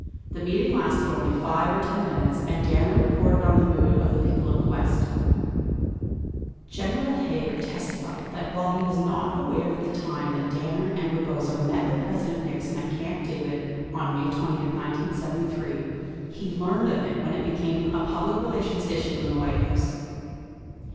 The meeting lasted only 5 or 10 minutes and Danner reported on the mood of the people in the West 42 General Haig testified that while he was not aware at the time that Danner and Rebozo met with President Nixon at Camp David op May 20, 1973, he learned of it when it became a public relations issue in the White House.